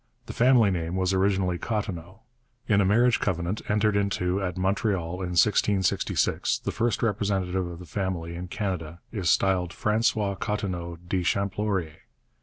The family name was originally Cottineau. In a marriage covenant entered into at Montreal in 1666 the first representative of the family in Canada is styled 'Francois Cottineau dit Champlauriet.'